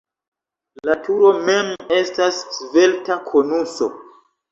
La turo mem estas svelta konuso.